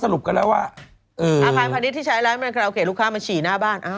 อภัยพณิชย์ที่ใช้ร้านมันคือโอเคลูกค้ามาฉี่หน้าบ้าน